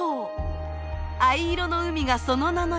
藍色の海がその名の由来。